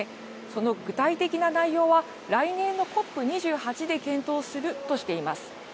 その具体的な内容は来年のＣＯＰ２８で検討するとしています。